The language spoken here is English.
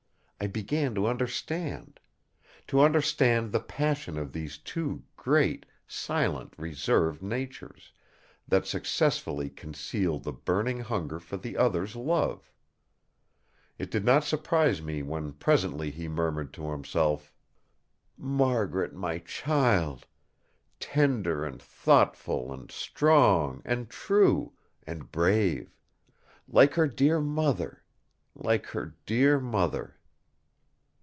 I began to understand. To understand the passion of these two great, silent, reserved natures, that successfully concealed the burning hunger for the other's love! It did not surprise me when presently he murmured to himself: "Margaret, my child! Tender, and thoughtful, and strong, and true, and brave! Like her dear mother! like her dear mother!"